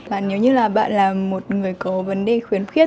và nếu như là bạn là một người có vấn đề khuyến khích